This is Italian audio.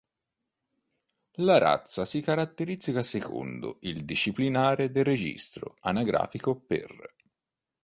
La razza si caratterizza secondo il disciplinare del registro anagrafico per